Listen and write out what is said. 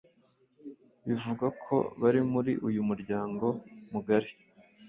bivugwa ko bari muri uyu muryango mugari